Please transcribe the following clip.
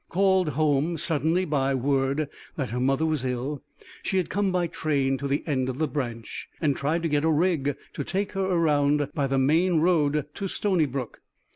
Called home suddenly by word that her mother was ill, she had come by train to the end of the branch, and tried to get a rig to take her around by the main road to Stony Brook.